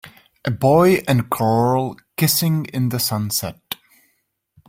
A boy and girl kissing in the sunset.